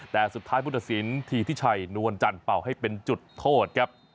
แต่สุดท้ายพุทธศิลปธีทิชัยนวลจันทร์เป่าให้เป็นจุดโทษครับ